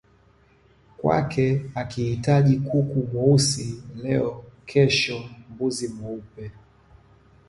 kwake akihitaji kuku mweusi leo kesho mbuzi mweupe